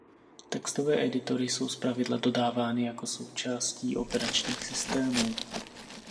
Textové editory jsou zpravidla dodávány jako součástí operačních systémů.